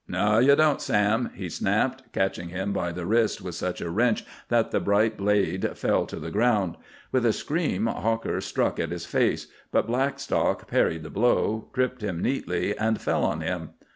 "No, ye don't, Sam!" he snapped, catching him by the wrist with such a wrench that the bright blade fell to the ground. With a scream, Hawker struck at his face, but Blackstock parried the blow, tripped him neatly, and fell on him.